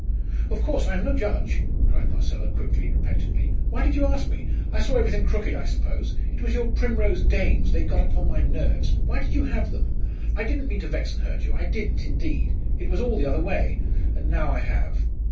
"Of course, I am no judge!" cried Marcella, quickly repentantly. "Why did you ask me? I saw everything crooked, I suppose it was your Primrose Dames they got upon my nerves. Why did you have them? I didn't mean to vex and hurt you I didn't indeed it was all the other way and now I have."